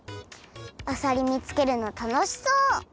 あさり見つけるの楽しそう！